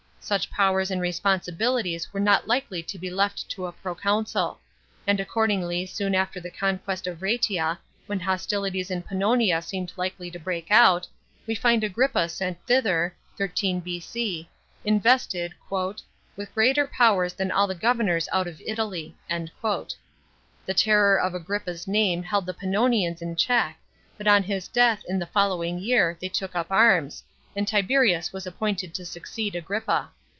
Such powers and responsibilities were not likely to be left to a proconsul : and 98 PROVINCIAL ADMINISTRATION. CHAP. vi. accordingly soon after the conquest of Rsetia, when hostilities in Pannonia seemed likely to break out, we find Agrippa sent thither (13 B.C.), invested *' with greater powers than all the governors out of Italy." The terror of Agrippi's name held the Pannonians in check, but on his death in the following year they took up arms, and Tiberius was appointed to succeed Agrippa.